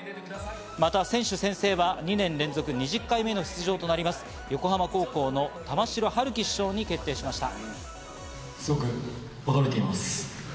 また選手宣誓は２年連続２０回目の出場となります、横浜高校の玉城陽希主将に決定しました。